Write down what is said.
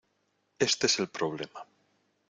este es el problema.